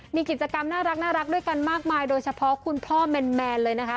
มีกิจกรรมน่ารักด้วยกันมากมายโดยเฉพาะคุณพ่อแมนเลยนะคะ